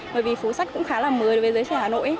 bởi vì phố sách cũng khá là mười với giới trẻ hà nội